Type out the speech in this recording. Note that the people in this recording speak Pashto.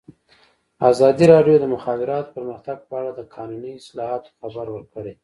ازادي راډیو د د مخابراتو پرمختګ په اړه د قانوني اصلاحاتو خبر ورکړی.